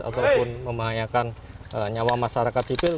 ataupun membahayakan nyawa masyarakat sipil